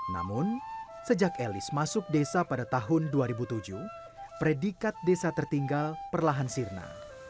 namun sejak elis masuk desa pada tahun dua ribu tujuh predikat desa tertinggal perlahan sirna